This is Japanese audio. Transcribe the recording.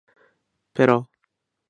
ペット